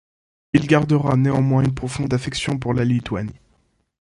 Il gardera néanmoins une profonde affection pour la Lituanie.